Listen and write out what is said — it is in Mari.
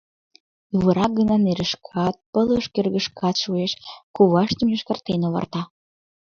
Ӱвыра гына нерышкат, пылыш кӧргышкат шуэш, коваштым йошкартен оварта.